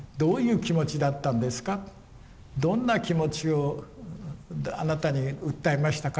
どんな気持ちをあなたに訴えましたか？